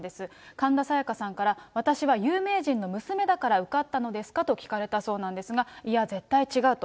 神田沙也加さんから、私は有名人の娘だから受かったのですかと聞かれたそうなんですが、いや絶対違うと。